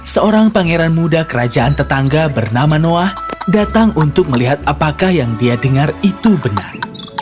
seorang pangeran muda kerajaan tetangga bernama noah datang untuk melihat apakah yang dia dengar itu benar